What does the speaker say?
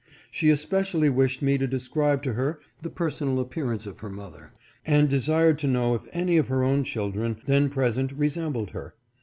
She especially wished me to describe to her the personal appearance of her mother, and desired to know if any of her own children then present resembled her.